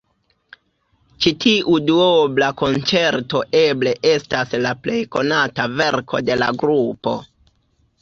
Ĉi tiu duobla konĉerto eble estas la plej konata verko de la grupo.